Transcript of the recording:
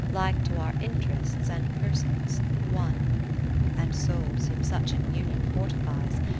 Like to our interests and persons, one 3 And souls whom such an union fortifies.